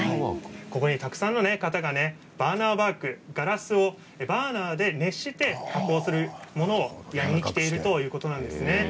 たくさんの方がバーナーワークガラスをバーナーで熱してものを作りに来ているということなんです。